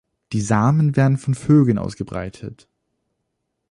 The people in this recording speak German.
Die Samen werden von Vögeln ausgebreitet.